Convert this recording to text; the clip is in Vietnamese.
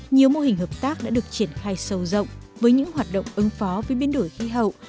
nhiều mô hình hợp tác đã được triển khai sâu rộng với những hoạt động ứng phó với biến đổi khí hậu